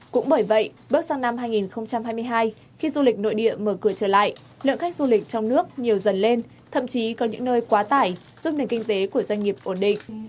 cũng bởi vậy bước sang năm hai nghìn hai mươi hai khi du lịch nội địa mở cửa trở lại lượng khách du lịch trong nước nhiều dần lên thậm chí có những nơi quá tải giúp nền kinh tế của doanh nghiệp ổn định